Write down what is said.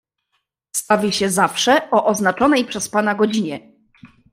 "Stawi się zawsze o oznaczonej przez pana godzinie."